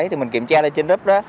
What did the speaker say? thì mình kiểm tra lên trên group đó